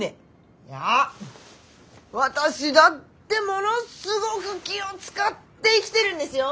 いや私だってものすごく気を遣って生きてるんですよ。